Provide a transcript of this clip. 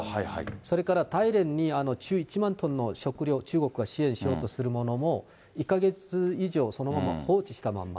それから大連に１１万トンの食料、中国が支援しようとしてるものも、１か月以上そのまま放置したまんま。